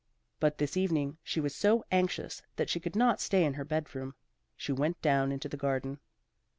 But this evening she was so anxious that she could not stay in her bedroom. She went down into the garden.